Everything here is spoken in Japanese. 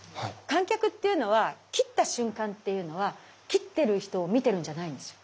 観客っていうのは斬った瞬間っていうのは斬ってる人を見てるんじゃないんですよ。